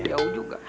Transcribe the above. ya udah juga